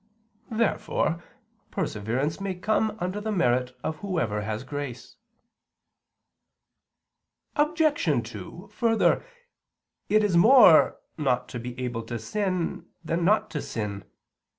Therefore perseverance may come under the merit of whoever has grace. Obj. 2: Further, it is more not to be able to sin than not to sin.